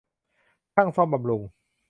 ช่างซ่อมบำรุง